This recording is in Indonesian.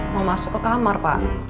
mau masuk ke kamar pak